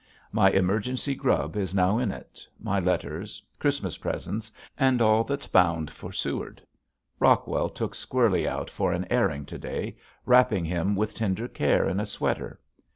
My emergency grub is now in it, my letters, Christmas presents, and all that's bound for Seward. Rockwell took Squirlie out for an airing to day, wrapping him with tender care in a sweater.